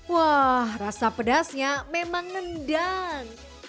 wah rasa pedasnya memang ngendang